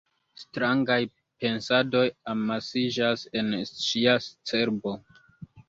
Strangaj pensadoj amasiĝas en ŝia cerbo.